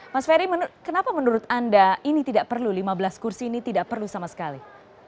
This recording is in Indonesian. mas ferry kenapa menurut anda lima belas kursi ini tidak perlu sama sekali